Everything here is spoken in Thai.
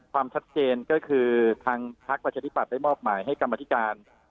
ความชัดเจนก็คือทางพักประชาธิบัตย์ได้มอบหมายให้กรรมธิการ